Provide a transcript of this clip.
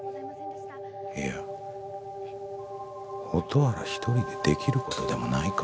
いや蛍原１人でできることでもないか。